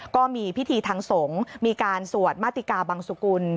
ก็มีพิธีทางสงฆ์มีการสวดมาติกาบังสุกุล